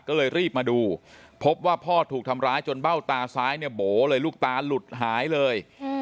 ก็เลยรีบมาดูพบว่าพ่อถูกทำร้ายจนเบ้าตาซ้ายเนี่ยโบ๋เลยลูกตาหลุดหายเลย